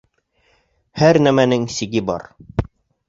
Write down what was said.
Һәр нәмәнең сиге бар.